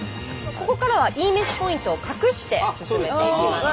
ここからはいいめしポイントを隠して進めていきます。